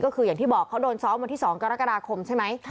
ก็คืออย่างที่บอกเขาโดนซ้อมวันที่๒กรกฎาคมใช่ไหม